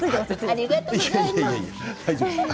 ありがとうございます。